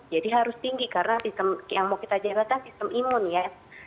jadi harus tinggi karena yang mau kita jahatkan sistem imun ya